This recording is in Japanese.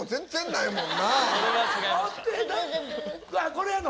これやんの？